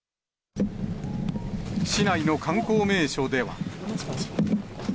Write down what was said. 市内の観光名所では。